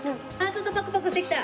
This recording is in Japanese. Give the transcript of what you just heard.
ちょっとパクパクしてきた。